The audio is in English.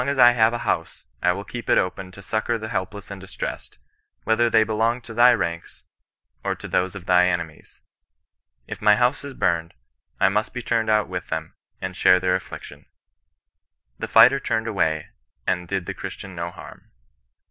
as I have a house, I will keep it open to succour the helpless and distressed, whether they helong to thy ranLi, or to those of thy enemies. If my house is humed^ I must he turned out with them, and share their afflic tion." The fighter turned away and did the Christian no harm.